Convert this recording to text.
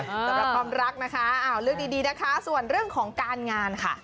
สำหรับความรักนะคะเลือกดีนะคะส่วนเรื่องของการงานค่ะ